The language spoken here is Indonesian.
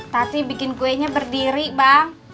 tapi bikin kuenya berdiri bang